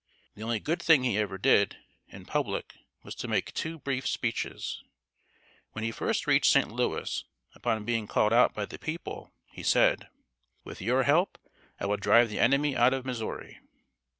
The only good thing he ever did, in public, was to make two brief speeches. When he first reached St. Louis, upon being called out by the people, he said: "With your help, I will drive the enemy out of Missouri."